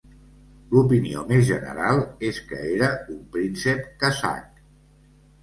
L'opinió més general és que era un príncep kazakh.